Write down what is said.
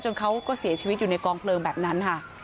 เขาก็เสียชีวิตอยู่ในกองเพลิงแบบนั้นค่ะ